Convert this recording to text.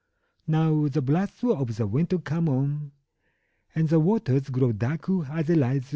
Now the blasts of the winter come on, And the waters grow dark as they rise!